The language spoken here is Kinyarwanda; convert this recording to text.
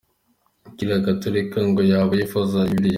Kiliziya Gatolika ngo yaba yifuza iyi”Bibiliya”?.